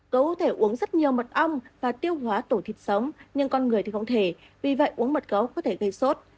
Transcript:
gấu có thể uống rất nhiều mật ong và tiêu hóa tổ thịt sống nhưng con người thì không thể vì vậy uống mật gấu có thể gây sốt